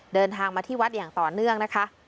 เดินทางมาที่วัดอย่างต่อเนื่องนะคะ